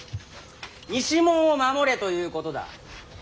西門を守れということだ。